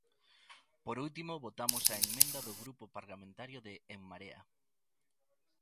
Por último votamos a emenda do Grupo Parlamentario de En Marea.